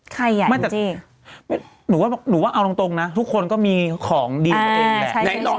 ใครอย่างจริงหนูว่าเอาตรงนะทุกคนก็มีของดีของเองแหละ